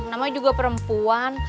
namanya juga perempuan